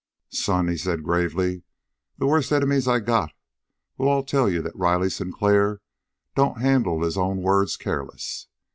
"Son," he said gravely, "the worst enemies I got will all tell you that Riley Sinclair don't handle his own word careless.